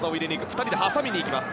２人で挟みに行きました。